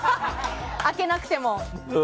開けなくても。